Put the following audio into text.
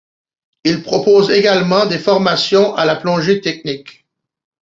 Il propose également des formations à la plongée technique.